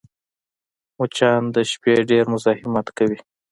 مچان د شپې ډېر مزاحمت کوي